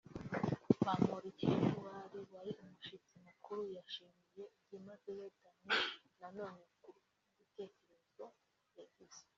Bamporiki Edouard wari umushyitsi mukuru yashimiye byimazeyo Dany Nanone ku bw’igitekerezo yagize